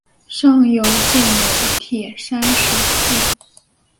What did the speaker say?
上游建有铁山水库。